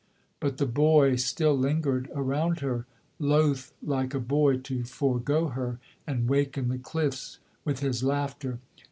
But the boy still lingered around her, Loth, like a boy, to forego her, and waken the cliffs with his laughter.